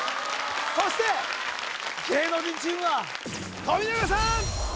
そして芸能人チームは富永さん！